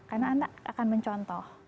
karena anak akan mencontoh